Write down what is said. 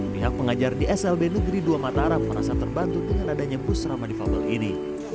pihak pengajar di slb negeri dua mataram merasa terbantu dengan adanya bus ramah difabel ini